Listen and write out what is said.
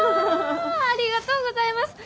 ありがとうございます！